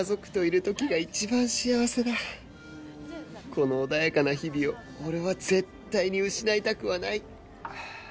この穏やかな日々を俺は絶対に失いたくはない